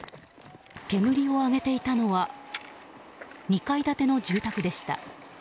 煙を上げていたのは２階建ての住宅でした。